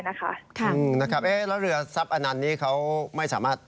แล้วเรือทรัพย์อนันต์นี้เขาไม่สามารถ